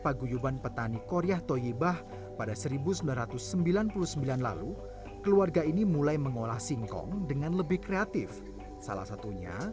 sampai jumpa di video selanjutnya